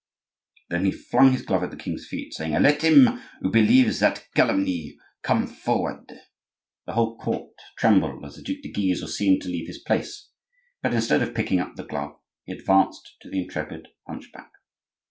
Then he flung his glove at the king's feet, saying: "Let him who believes that calumny come forward!" The whole court trembled as the Duc de Guise was seen to leave his place; but instead of picking up the glove, he advanced to the intrepid hunchback.